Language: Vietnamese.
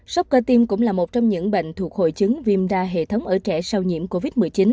sốc cơ tim cũng là một trong những bệnh thuộc hội chứng viêm da hệ thống ở trẻ sau nhiễm covid một mươi chín